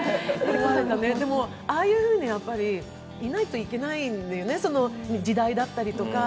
でも、ああいうふうにいないといけないんだよね、その時代だったりとか。